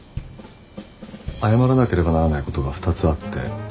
謝らなければならないことが２つあって。